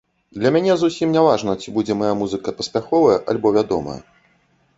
Для мяне зусім не важна, ці будзе мая музыка паспяховая альбо вядомая.